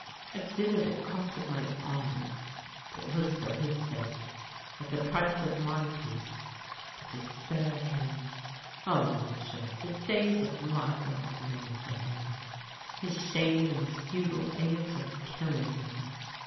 I did it at cost of my honour, but it was for his sake, at the price of my peace, but to spare him. Ah, Monsieur, the days of life are not many for him, his shame and his futile aims are killing him.